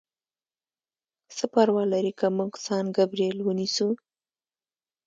څه پروا لري که موږ سان ګبریل ونیسو؟